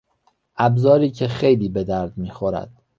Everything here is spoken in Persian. ابزاری که خیلی به درد میخورد